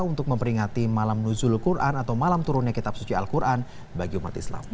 untuk memperingati malam nuzul quran atau malam turunnya kitab suci al quran bagi umat islam